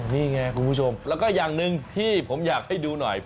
นี่ไงคุณผู้ชมแล้วก็อย่างหนึ่งที่ผมอยากให้ดูหน่อย